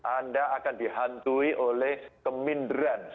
anda akan dihantui oleh keminderan